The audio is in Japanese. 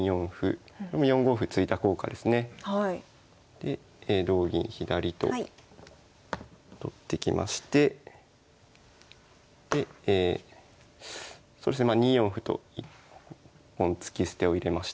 で同銀左と取ってきましてでそうですねまあ２四歩と一本突き捨てを入れました。